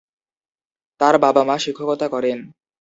তার বাবা-মা শিক্ষকতা করেন।